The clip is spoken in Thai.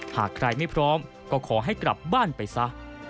หากใครไม่พร้อมก็ขอให้กลับบ้านไปซะ